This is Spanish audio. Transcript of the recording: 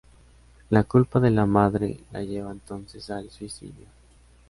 La culpa de la madre, la lleva entonces al suicidio.